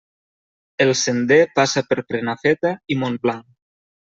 El sender passa per Prenafeta i Montblanc.